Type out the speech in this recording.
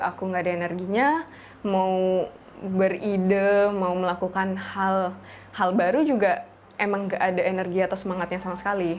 aku gak ada energinya mau beride mau melakukan hal hal baru juga emang gak ada energi atau semangatnya sama sekali